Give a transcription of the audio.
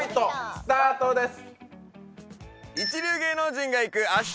スタートです。